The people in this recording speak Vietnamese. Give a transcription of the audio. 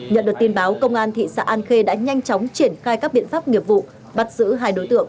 nhận được tin báo công an thị xã an khê đã nhanh chóng triển khai các biện pháp nghiệp vụ bắt giữ hai đối tượng